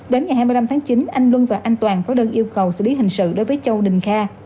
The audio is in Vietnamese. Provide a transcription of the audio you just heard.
đến ngày hai mươi năm tháng chín anh luân và anh toàn có đơn yêu cầu xử lý hình sự đối với châu đình kha